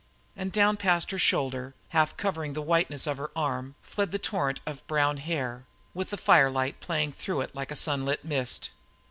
And down past her shoulder, half covering the whiteness of her arm, fled the torrent of brown hair, with the firelight playing through it like a sunlit mist.